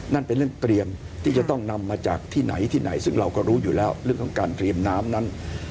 นั่นเป็นเรื่องเตรียมที่จะต้องนำมาจากที่ไหนที่ไหนซึ่งเราก็รู้อยู่แล้วเรื่องของการเตรียมน้ำนั้น